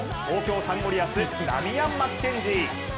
東京サンゴリアスダミアン・マッケンジー。